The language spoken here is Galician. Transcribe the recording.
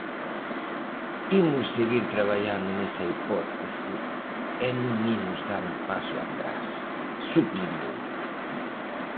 "Imos seguir traballando nesa hipótese e non imos dar un paso atrás", subliñou.